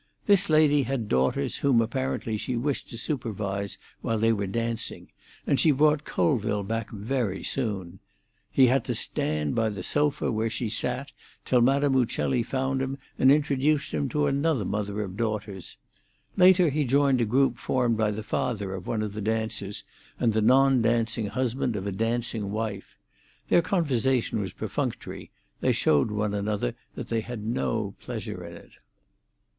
This lady had daughters whom apparently she wished to supervise while they were dancing, and she brought Colville back very soon. He had to stand by the sofa where she sat till Madame Uccelli found him and introduced him to another mother of daughters. Later he joined a group formed by the father of one of the dancers and the non dancing husband of a dancing wife. Their conversation was perfunctory; they showed one another that they had no pleasure in it.